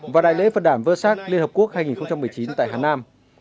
và đại lễ phật đảm vơ sát liên hợp quốc hai nghìn một mươi chín tại hà nam